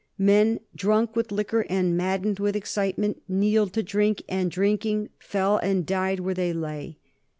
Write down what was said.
Men, drunk with liquor and maddened with excitement, kneeled to drink, and, drinking, fell and died where they lay.